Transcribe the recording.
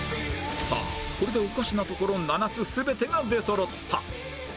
さあこれでおかしなところ７つ全てが出そろった